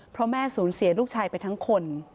เพราะแม่สูญเสียลูกชายไปทั้งคน